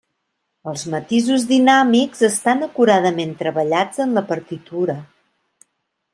Els matisos dinàmics estan acuradament treballats en la partitura.